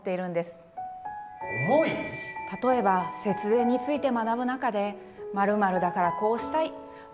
例えば節電について学ぶ中で「〇〇だからこうしたい！」